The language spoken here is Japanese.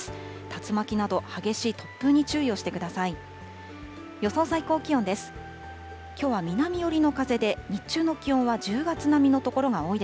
竜巻など激しい突風に注意をしてください。